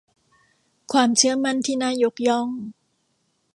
ความเชื่อมั่นที่น่ายกย่อง